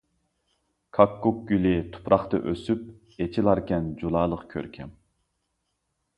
كاككۇك گۈلى تۇپراقتا ئۆسۈپ، ئېچىلاركەن جۇلالىق كۆركەم.